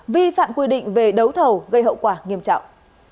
vi phạm quy định về đấu thầu gây hậu quả nghiêm trọng